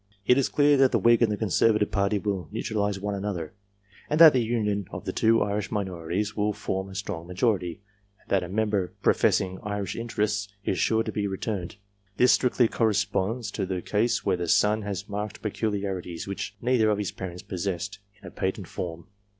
It is clear that the Whig and Conservative party will neu tralize one another, and that the union of the two Irish minorities will form a strong majority, and that a member professing Irish interests is sure to be returned. This strictly corresponds to the case where the son has marked peculiarities, which neither of his parents possessed in a patent form.